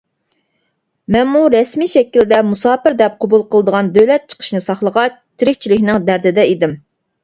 مەنمۇ رەسمىي شەكىلدە مۇساپىر دەپ قوبۇل قىلىدىغان دۆلەت چىقىشىنى ساقلىغاچ تىرىكچىلىكنىڭ دەردىدە ئىدىم.